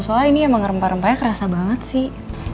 soalnya ini emang rempah rempahnya kerasa banget sih